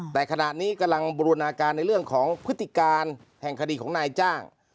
แต่ขณะนี้กำลังบูรณาการในเรื่องของพฤติการแห่งคดีของนายจ้าง